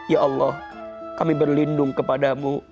ya allah kami berlindung kepadamu